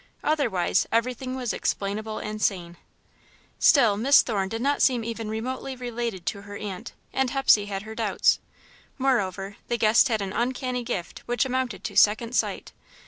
Otherwise, everything was explainable and sane. Still, Miss Thorne did not seem even remotely related to her aunt, and Hepsey had her doubts. Moreover, the guest had an uncanny gift which amounted to second sight.